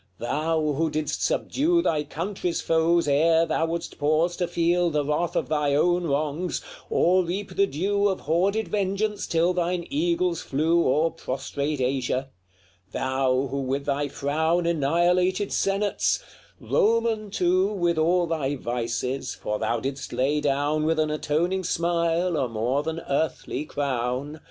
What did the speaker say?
Thou, who didst subdue Thy country's foes ere thou wouldst pause to feel The wrath of thy own wrongs, or reap the due Of hoarded vengeance till thine eagles flew O'er prostrate Asia; thou, who with thy frown Annihilated senates Roman, too, With all thy vices, for thou didst lay down With an atoning smile a more than earthly crown LXXXIV.